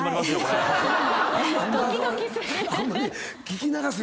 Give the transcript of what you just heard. ドキドキする。